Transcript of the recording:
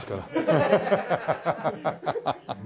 ハハハハハハ！